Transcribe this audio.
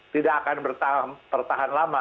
tidak akan bertahan lama